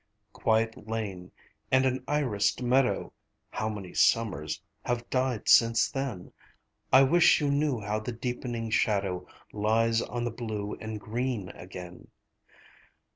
Quiet lane, and an irised meadow ... (How many summers have died since then?) ... I wish you knew how the deepening shadow Lies on the blue and green again!